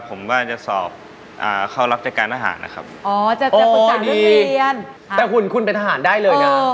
ปรึกษาฉันเลย